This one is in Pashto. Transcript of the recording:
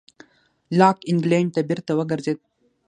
لاک انګلېنډ ته بېرته وګرځېد.